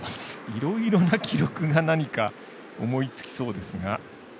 いろいろな記録が何か思いつきそうですが。